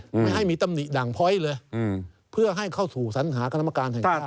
ไม่ให้มีตำหนิด่างพ้อยเลยอืมเพื่อให้เข้าสู่สัญหากรรมการแห่งชาติ